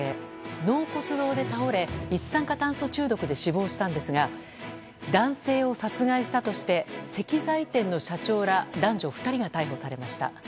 納骨堂で倒れ、一酸化炭素中毒で死亡したんですが男性を殺害したとして石材店の社長ら男女２人が逮捕されました。